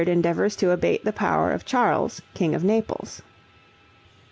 endeavors to abate the power of Charles king of Naples.